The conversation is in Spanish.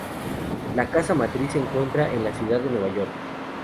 La casa matriz se encuentra en la Ciudad de Nueva York.